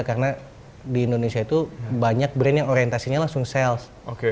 karena di indonesia itu banyak brand yang orientasinya langsung sales